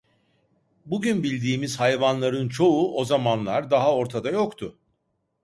Bugün bildiğimiz hayvanların çoğu o zamanlar daha ortada yoktu.